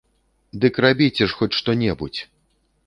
Дык рабіце ж хоць што-небудзь!